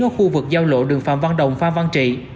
ở khu vực giao lộ đường phạm văn đồng phan văn trị